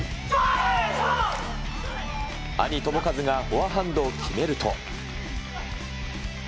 兄、智和がフォアハンドを決めると。